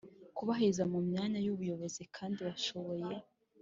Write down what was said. kubaheza mu myanya y ubuyobozi kandi bashoboye